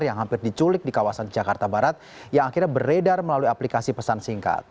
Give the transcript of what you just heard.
yang hampir diculik di kawasan jakarta barat yang akhirnya beredar melalui aplikasi pesan singkat